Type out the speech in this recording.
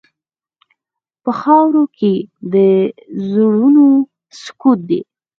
په خاوره کې د زړونو سکوت دی.